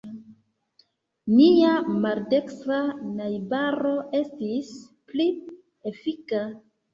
Nia maldekstra najbaro estis pli efika.